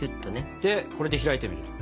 でこれで開いてみる。